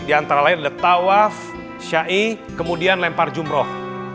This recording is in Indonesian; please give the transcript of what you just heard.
di antara lain ada tawaf ⁇ syai kemudian lempar jumroh